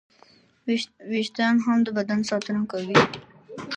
وېښتيان هم د بدن ساتنه کوي.